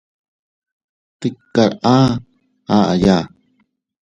Tkar aa aʼaya.